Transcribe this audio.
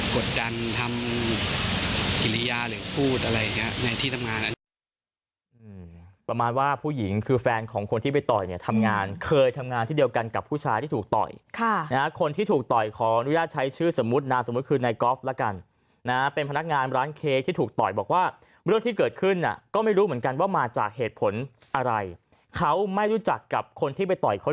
กดดันทำกิริยาหรือพูดอะไรอย่างนี้